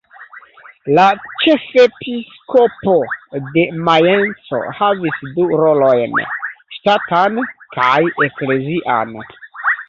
La ĉefepiskopo de Majenco havis du rolojn: ŝtatan kaj eklezian.